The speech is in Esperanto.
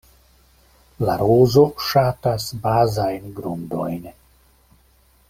La rozo ŝatas bazajn grundojn.